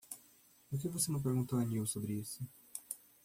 Por que você não perguntou a Neal sobre isso?